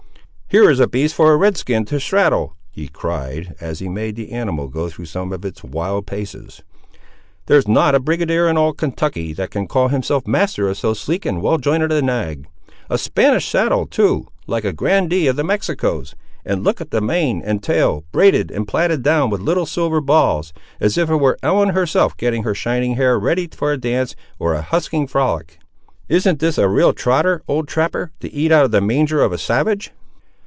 "Here is a beast for a Red skin to straddle!" he cried, as he made the animal go through some of its wild paces. "There's not a brigadier in all Kentucky that can call himself master of so sleek and well jointed a nag! A Spanish saddle too, like a grandee of the Mexicos! and look at the mane and tail, braided and platted down with little silver balls, as if it were Ellen herself getting her shining hair ready for a dance, or a husking frolic! Isn't this a real trotter, old trapper, to eat out of the manger of a savage?"